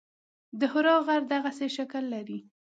د حرا غر دغسې شکل لري.